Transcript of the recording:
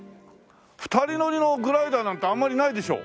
２人乗りのグライダーなんてあんまりないでしょ？